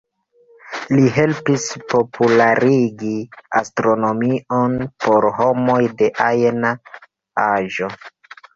Li helpis popularigi astronomion por homoj de ajna aĝo.